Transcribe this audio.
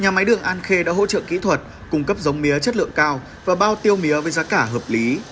nhà máy đường an khê đã hỗ trợ kỹ thuật cung cấp giống mía chất lượng cao và bao tiêu mía với giá cả hợp lý